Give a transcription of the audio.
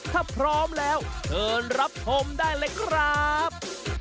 ถ้าพร้อมแล้วรับพรมได้เลยครับ